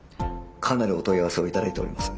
かなりお問い合わせを頂いております。